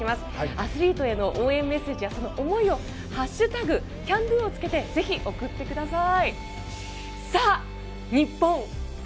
アスリートへの応援メッセージやその思いを「＃ＣＡＮＤＯ」をつけてぜひ送ってください。